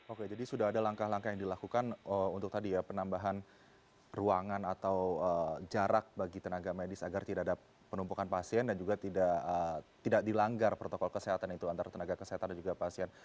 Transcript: oke jadi sudah ada langkah langkah yang dilakukan untuk tadi ya penambahan ruangan atau jarak bagi tenaga medis agar tidak ada penumpukan pasien dan juga tidak dilanggar protokol kesehatan itu antara tenaga kesehatan dan juga pasien